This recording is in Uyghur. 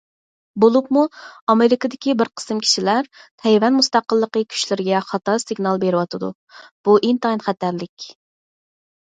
بولۇپمۇ ئامېرىكىدىكى بىر قىسىم كىشىلەر« تەيۋەن مۇستەقىللىقى» كۈچلىرىگە خاتا سىگنال بېرىۋاتىدۇ، بۇ ئىنتايىن خەتەرلىك.